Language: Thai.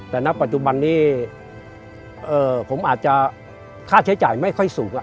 แต่ณปัจจุบันนี้ผมอาจจะค่าใช้จ่ายไม่ค่อยสูง